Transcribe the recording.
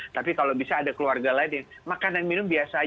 tapi kalau bisa ada keluarga lain yang makan dan minum biasa aja